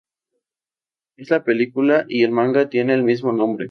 En la película y el manga tiene el mismo nombre.